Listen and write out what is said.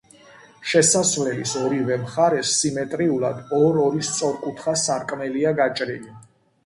შესასვლელის ორივე მხარეს, სიმეტრიულად ორ-ორი სწორკუთხა სარკმელია გაჭრილი.